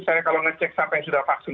saya cek siapa yang sudah vaksin